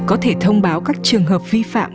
có thể thông báo các trường hợp vi phạm